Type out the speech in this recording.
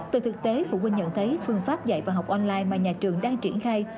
từ thực tế phụ huynh nhận thấy phương pháp dạy và học online mà nhà trường đang triển khai